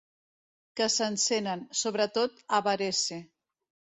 Que s'encenen, sobretot a Varese.